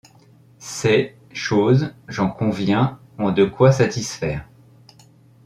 Ces, choses, j', en conviens, ont de quoi satisfaire ;